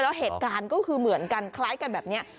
แล้วเหตุการณ์ก็คือเหมือนกันคล้ายกันแบบนี้